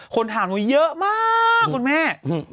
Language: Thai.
คนถามว่าเยอะมากครับครับ